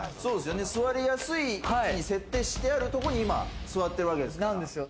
座りやすい位置に設定してるところに今座ってるわけですから。